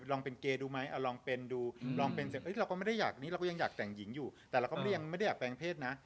ลองเป็นเกย์ดูไหมลองเป็นดูเราก็ยังอยากแต่งหญิงอยู่แต่เราก็ยังไม่ได้แปลงเพศนะ